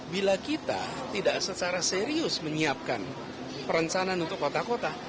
bila kita tidak secara serius menyiapkan perencanaan untuk kota kota